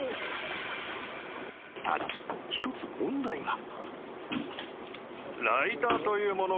［ただ一つ問題が］